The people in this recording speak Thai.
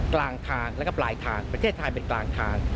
กลางทางแล้วก็ปลายทางประเทศไทยเป็นกลางทาง